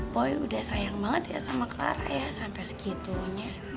pokoknya udah sayang banget ya sama clara ya sampai segitunya